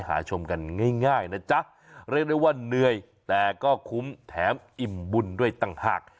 หาชมกันง่ายนะจ๊ะเรียกได้ว่าเหนื่อยแต่ก็คุ้มแถมอิ่มบุญด้วยต่างหาก